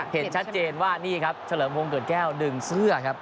เห็นชัดเจนว่านี่ครับเฉลิมพงศ์เกิดแก้วดึงเสื้อครับ